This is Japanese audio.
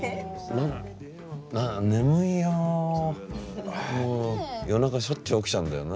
もう夜中しょっちゅう起きちゃうんだよな。